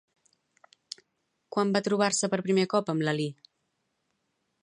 Quan va trobar-se per primer cop amb Lalí?